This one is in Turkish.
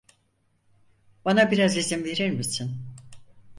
Bana biraz izin verir misin?